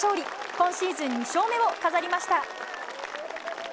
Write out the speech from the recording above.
今シーズン２勝目を飾りました。